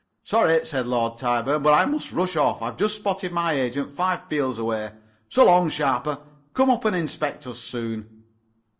"Sorry," said Lord Tyburn, "but I must rush off. I've just spotted my agent, five fields away. So long, Sharper. Come up and inspect us soon."